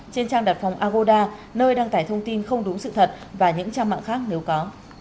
trên trang đặt phòng agoda nơi đăng tải thông tin không đúng sự thật và những trang mạng khác nếu có